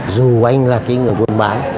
dù anh là cái người buôn bán